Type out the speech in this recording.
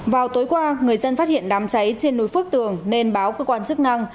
vào tối qua người dân phát hiện đám cháy trên núi phước tường nên báo cơ quan chức năng